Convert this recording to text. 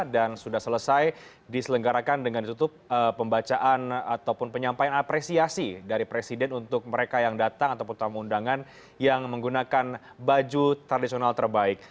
dan sudah selesai diselenggarakan dengan tutup pembacaan ataupun penyampaian apresiasi dari presiden untuk mereka yang datang ataupun tamu undangan yang menggunakan baju tradisional terbaik